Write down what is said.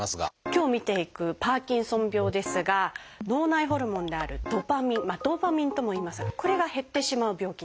今日見ていくパーキンソン病ですが脳内ホルモンである「ドパミン」「ドーパミン」とも言いますがこれが減ってしまう病気なんです。